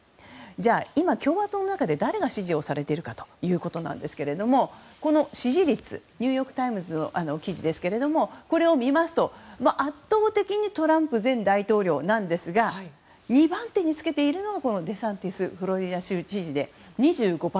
じゃあ今、共和党の中で誰が支持をされているかということですがこの支持率ニューヨーク・タイムズの記事ですけれどもこれを見ますと圧倒的にトランプ前大統領なんですが２番手につけているのがこのデサンティスフロリダ州知事で２５％です。